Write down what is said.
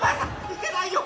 いけないよ。